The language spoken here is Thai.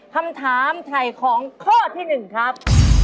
คำถามไถ่ของข้อที่๑ครับ